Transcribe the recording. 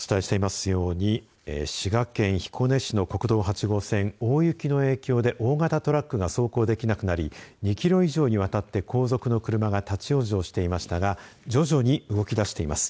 お伝えしていますように滋賀県彦根市の国道８号線大雪の影響で大型トラックが走行できなくなり２キロ以上にわたって後続の車が立往生していましたが徐々に動き出しています。